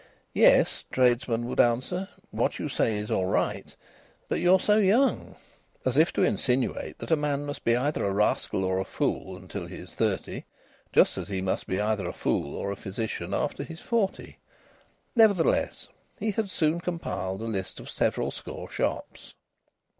"Yes," tradesmen would answer, "what you say is all right, but you are so young." As if to insinuate that a man must be either a rascal or a fool until he is thirty, just as he must be either a fool or a physician after he is forty. Nevertheless, he had soon compiled a list of several score shops.